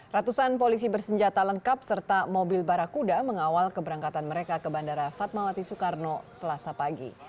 ratusan polisi bersenjata lengkap serta mobil barakuda mengawal keberangkatan mereka ke bandara fatmawati soekarno selasa pagi